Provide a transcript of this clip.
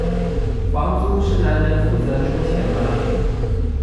房租是男人負責出錢嗎？